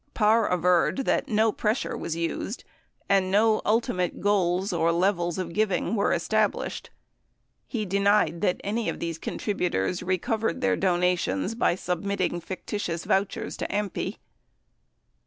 Parr averred that no pressure was used and no ultimate goals, or levels of giving, were established. He denied that any of these contributors recovered their donations by submitting ficti tious vouchers to AMPI.